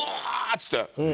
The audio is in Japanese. っつって。